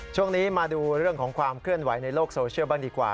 ช่วงนี้มาดูเรื่องของความเคลื่อนไหวในโลกโซเชียลบ้างดีกว่า